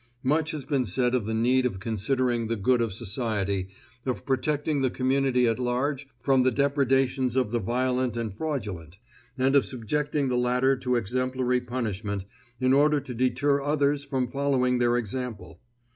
Much has been said of the need of considering the good of society, of protecting the community at large from the depredations of the violent and fraudulent; and of subjecting the latter to exemplary punishment, in order to deter others from following their example.